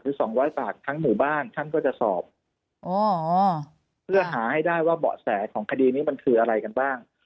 สองร้อยปากทั้งหมู่บ้านท่านก็จะสอบเพื่อหาให้ได้ว่าเบาะแสของคดีนี้มันคืออะไรกันบ้าง